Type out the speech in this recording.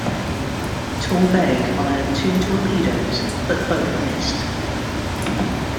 "Torbay" fired two torpedoes but both missed.